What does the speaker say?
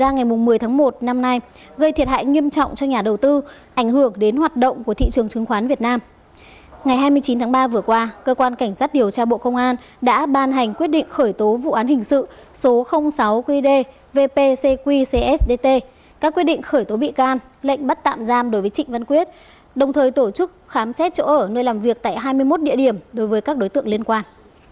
ngày hai mươi chín tháng ba vừa qua cơ quan cảnh sát điều tra bộ công an đã ban hành quyết định khởi tố vụ án hình sự số sáu qd vpcqcsdt các quyết định khởi tố bị can lệnh bắt tạm giam đối với trịnh văn quyết đồng thời tổ chức khám xét chỗ ở nơi làm việc tại hai mươi một địa điểm đối với các đối tượng liên quan